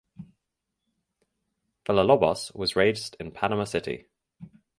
Villalobos was raised in Panama City.